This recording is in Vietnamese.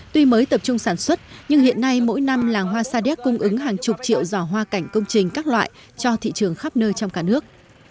tuy mới tập trung sản xuất nhưng hiện nay mỗi năm làng hoa sa đéc cung ứng hàng chục triệu giỏ hoa cảnh công trình các loại cho thị trường khắp nơi trong cả nước